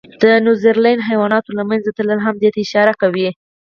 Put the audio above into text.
د نیوزیلند حیواناتو له منځه تلل هم دې ته اشاره کوي.